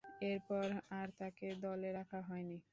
এরপর আর তাকে দলে রাখা হয়নি।